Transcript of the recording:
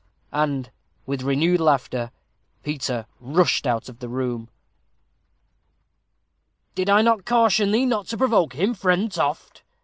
And, with renewed laughter, Peter rushed out of the room. "Did I not caution thee not to provoke him, friend Toft?"